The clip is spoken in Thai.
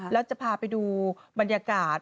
แล้วจะพาไปดูบรรยากาศ